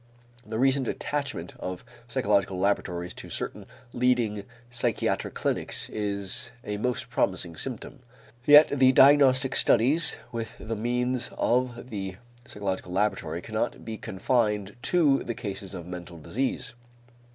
The recent attachment of psychological laboratories to certain leading psychiatric clinics is a most promising symptom. Yet the diagnostic studies with the means of the psychological laboratory cannot be confined to the cases of mental disease.